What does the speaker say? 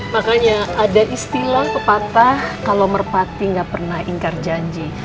makanya ada istilah pepatah kalau merpati nggak pernah ingkar janji